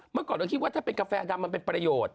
เมื่อก่อนเราคิดว่าถ้าเป็นกาแฟดำมันเป็นประโยชน์